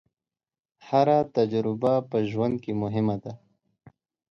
هره تجربه په ژوند کې مهمه ده.